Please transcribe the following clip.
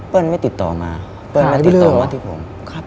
ไม่ติดต่อมาเปิ้ลมาติดต่อมาที่ผม